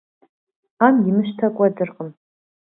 Ӏэм имыщтэ кӀуэдыркъым.